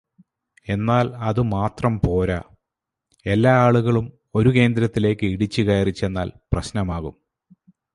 എന്നാൽ അതു മാത്രം പോരാ, എല്ലാ ആളുകളും ഒരു കേന്ദ്രത്തിലേക്ക് ഇടിച്ചു കയറി ചെന്നാൽ പ്രശ്നമാകും.